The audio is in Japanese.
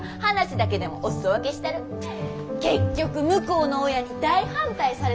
結局向こうの親に大反対されてやな。